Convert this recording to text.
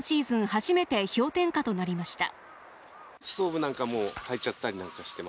初めて氷点下となりました